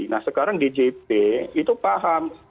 nah sekarang djp itu paham